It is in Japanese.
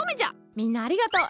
みんなありがとう。